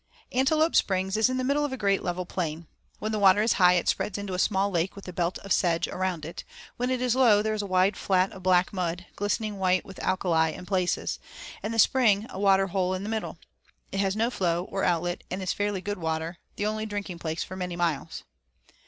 Antelope Springs is in the middle of a great level plain. When the water is high it spreads into a small lake with a belt of sedge around it; when it is low there is a wide flat of black mud, glistening white with alkali in places, and the spring a water hole in the middle. It has no flow or outlet and is fairly good water, the only drinking place for many miles.